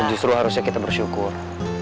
justru harusnya kita bersyukur